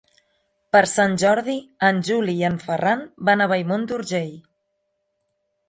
Per Sant Jordi en Juli i en Ferran van a Bellmunt d'Urgell.